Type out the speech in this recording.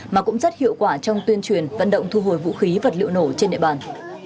mà cũng rất hiệu quả trong tuyên truyền vận động thu hồi vũ khí vật liệu nổ trên địa bàn